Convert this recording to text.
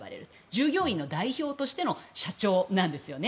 従業員の代表としての社長なんですよね。